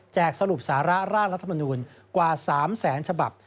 แจกสรุปสาระร่างรัฐมนูนกว่า๓๐๐๐๐๐ฉบับ